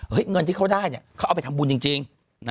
เงินที่เขาได้เขาเอาไปทำบุญจริง